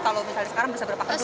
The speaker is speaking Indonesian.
kalau misalnya sekarang berapa kerdus